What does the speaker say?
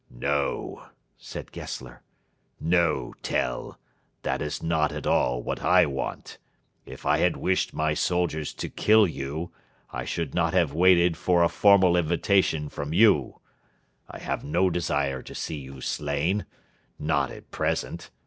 "No," said Gessler "no, Tell. That is not at all what I want. If I had wished my soldiers to kill you, I should not have waited for a formal invitation from you. I have no desire to see you slain. Not at present.